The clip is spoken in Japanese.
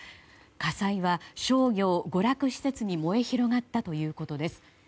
火災は商業・娯楽施設に燃え広がったということです。